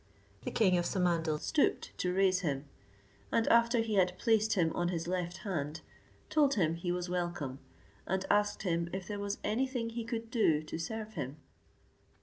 The king of Samandal stooped to raise him, and after he had placed him on his left hand, told him he was welcome, and asked him if there was any thing he could do to serve him.